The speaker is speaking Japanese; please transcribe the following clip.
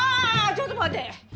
ちょっと待って！